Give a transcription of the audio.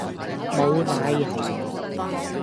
無奶油